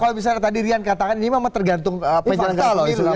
kalau misalnya tadi rian katakan ini memang tergantung penjelang penjelang pemilu